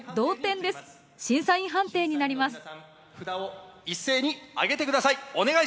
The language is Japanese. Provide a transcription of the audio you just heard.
札を一斉に上げて下さい。